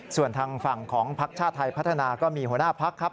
ส่วนทางฝั่งของพักชาติไทยพัฒนาก็มีหัวหน้าพักครับ